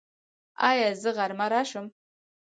ایا زه غرمه راشم؟